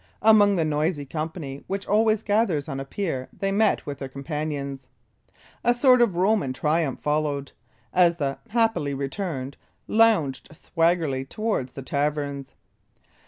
Among the noisy company which always gathers on a pier they met with their companions. A sort of Roman triumph followed, as the "happily returned" lounged swaggeringly towards the taverns.